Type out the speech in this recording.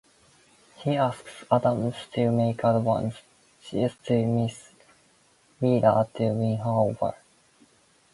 He asks Adams to make advances to Miss Wheeler to win her over.